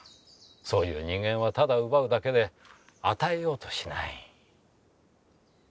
そういう人間はただ奪うだけで与えようとしない。